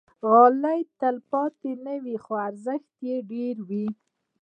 غالۍ تل تلپاتې نه وي، خو ارزښت یې ډېر وي.